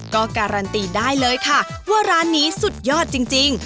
ก็การันตีได้เลยค่ะว่าร้านนี้สุดยอดจริง